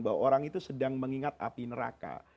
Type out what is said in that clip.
bahwa orang itu sedang mengingat api neraka